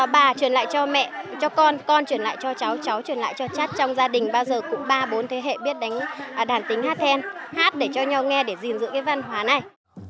bà truyền lại cho mẹ cho con con truyền lại cho cháu cháu truyền lại cho chát trong gia đình bao giờ cũng ba bốn thế hệ biết đánh đàn tính hát then hát để cho nhau nghe để gìn giữ cái văn hóa này